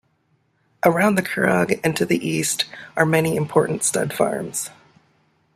Around the Curragh, and to the east are many important stud farms.